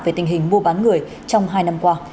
về tình hình mua bán người trong hai năm qua